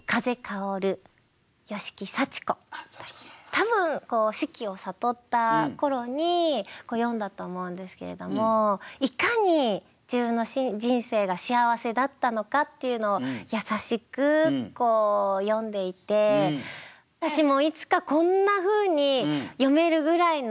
多分死期を悟った頃に詠んだと思うんですけれどもいかに自分の人生が幸せだったのかっていうのを優しく詠んでいて私もでもね